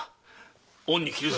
恩に着るぞ。